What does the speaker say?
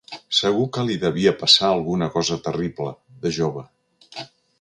Segur que li devia passar alguna cosa terrible, de jove.